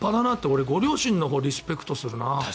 俺、ご両親のほうをリスペクトするな。